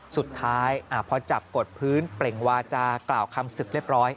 สุดท้ายพอจับกดพื้นเปล่งวาจากล่าวคำศึกเรียบร้อย